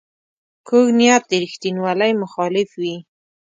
کوږ نیت د ریښتینولۍ مخالف وي